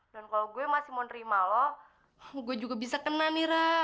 dan kalau gue masih mau nerima lo gue juga bisa kena nih ra